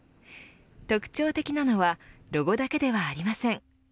特徴的なのはロゴだけではありません。